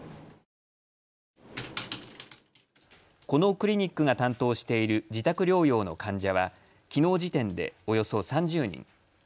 このクリニックが担当している自宅療養の患者はきのう時点でおよそ３０人。